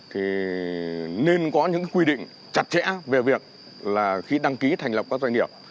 thì nên có những quy định chặt chẽ về việc là khi đăng ký thành lập các doanh nghiệp